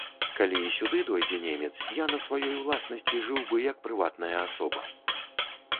Калі і сюды дойдзе немец, я на сваёй уласнасці жыў бы, як прыватная асоба.